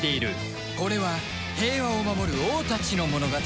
これは平和を守る王たちの物語